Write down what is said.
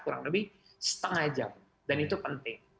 kurang lebih setengah jam dan itu penting